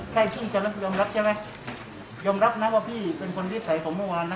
ใช่ชื่อฉันแล้วยอมรับใช่ไหมยอมรับนะว่าพี่เป็นคนนิสัยผมเมื่อวานนะ